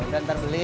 ya udah ntar beli